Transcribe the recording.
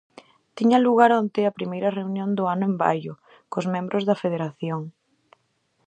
Tiña lugar onte a primeira reunión do ano en Baio, cos membros da federación.